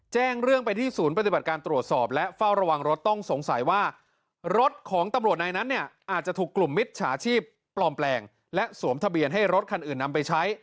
แจ้งเรื่องไปที่ศูนย์ปฏิบัติการตรวจสอบและเฝ้าระวังรถต้องสงสัยว่ารถของตำรวจนายนั้นเนี่ยอาจจะถูกกลุ่มมิจฉาชีพปลอมแปลงและสวมทะเบียนให้รถคันอื่นนำไปใช้